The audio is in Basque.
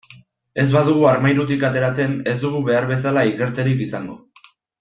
Ez badugu armairutik ateratzen, ez dugu behar bezala ikertzerik izango.